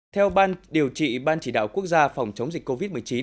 theo ban điều trị ban chỉ đạo quốc gia phòng chống dịch covid một mươi chín